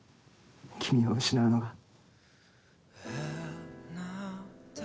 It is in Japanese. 君を失うのが。